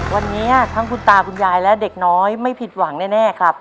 วันนี้ทั้งคุณตาคุณยายและเด็กน้อยไม่ผิดหวังแน่ครับ